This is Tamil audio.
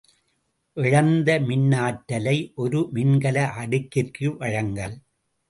இழந்த மின்னாற்றலை ஒரு மின்கல அடுக்கிற்கு வழங்கல்.